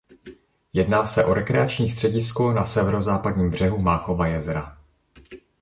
Jedná se o rekreační středisko na severozápadním břehu Máchova jezera.